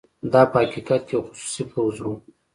دا په حقیقت کې یو خصوصي پوځ وو.